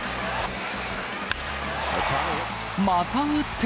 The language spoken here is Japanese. また打って。